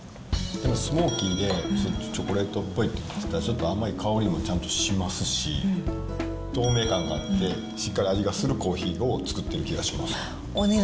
スモーキーでチョコレートっぽいというか、ちょっと甘い香りもちゃんとしますし、透明感があって、しっかり味がするコーヒーを作っている気がします。